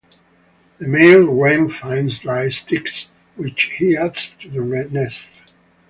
The male wren finds dry sticks, which he adds to the nest.